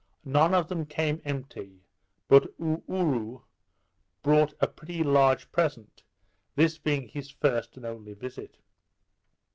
None of them came empty; but Oo oo rou brought a pretty large present, this being his first and only visit.